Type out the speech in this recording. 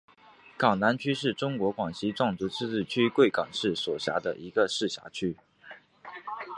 港南区是中国广西壮族自治区贵港市所辖的一个市辖区。